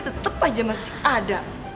tetep aja masih ada